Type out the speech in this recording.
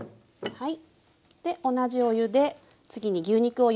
はい。